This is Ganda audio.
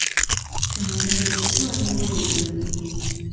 Temwerabira okutwala engoye za mmwe.